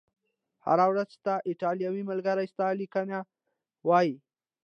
هره ورځ، ستا ایټالوي ملګري ستا لیکونه وایي؟